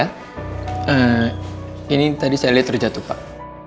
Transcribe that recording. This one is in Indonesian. eee ini tadi saya liat terjatuh pak